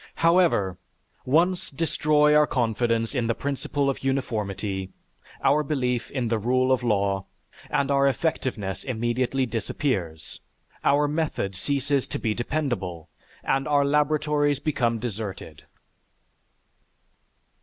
However, once destroy our confidence in the principle of uniformity, our belief in the rule of law, and our effectiveness immediately disappears, our method ceases to be dependable, and our laboratories become deserted.